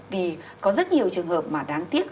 vì có rất nhiều trường hợp mà đáng tiếc